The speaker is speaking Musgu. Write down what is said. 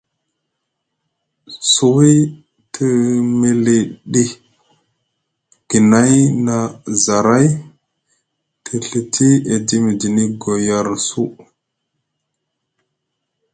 Suwi te militi guinay na zaray te Ɵiti edi midini goyar su.